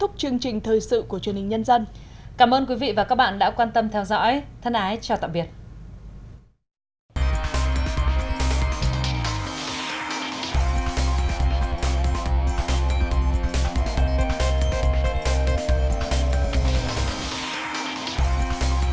cảm ơn các bạn đã theo dõi và hẹn gặp lại